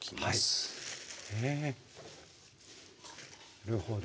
なるほど。